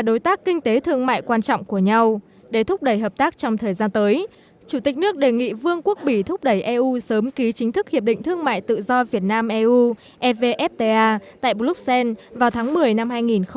đối tác kinh tế thương mại quan trọng của nhau để thúc đẩy hợp tác trong thời gian tới chủ tịch nước đề nghị vương quốc bỉ thúc đẩy eu sớm ký chính thức hiệp định thương mại tự do việt nam eu evfta tại bruxelles vào tháng một mươi năm hai nghìn một mươi chín